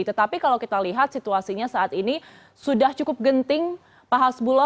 tetapi kalau kita lihat situasinya saat ini sudah cukup genting pak hasbulo